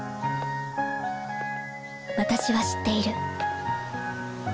私は知っている。